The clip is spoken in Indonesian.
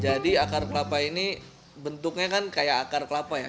jadi akar kelapa ini bentuknya kan kayak akar kelapa ya